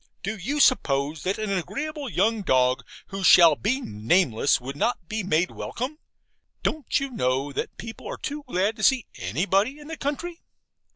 Do you suppose that an agreeable young dog, who shall be nameless, would not be made welcome? Don't you know that people are too glad to see ANYBODY in the country?